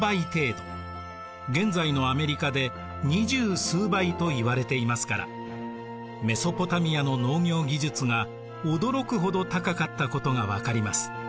現在のアメリカで２０数倍といわれていますからメソポタミアの農業技術が驚くほど高かったことが分かります。